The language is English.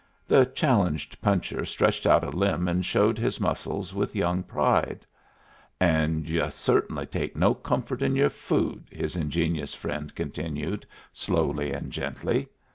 The challenged puncher stretched out a limb and showed his muscles with young pride. "And yu' cert'nly take no comfort in your food," his ingenious friend continued, slowly and gently.